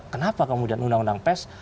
kenapa kemudian undang undang pes